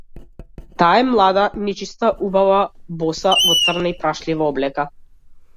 Таа е млада, нечиста убава, боса, во црна и прашлива облека.